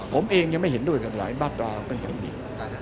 ผมเองยังไม่เห็นด้วยกันหลายบาตรากันอย่างนี้